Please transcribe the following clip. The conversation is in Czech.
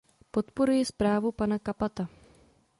Podporuji zprávu pana Cappata.